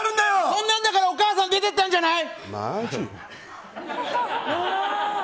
そんなんだからお母さん出てったんじゃない！